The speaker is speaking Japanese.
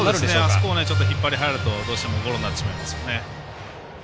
あそこ引っ張り入るとどうしてもゴロになってしまいます。